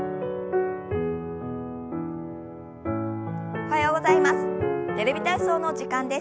おはようございます。